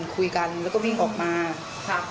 คุยกันแล้วก็วิ่งออกมาค่ะ